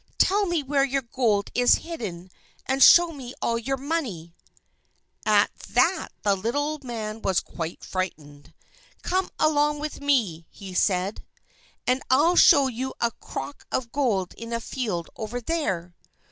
"Tell me where your gold is hidden, and show me all your money!" At that the little man was quite frightened. "Come along with me," said he, "and I'll show you a crock of gold in a field over there."